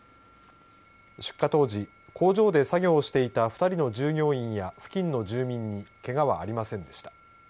出火当時、工場で作業していた２人の従業員や付近の住民にけがはありませんでした。